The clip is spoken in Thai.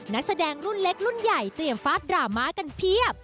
นักแสดงรุ่นเล็กรุ่นใหญ่เตรียมฟาดดราม่ากันเพียบ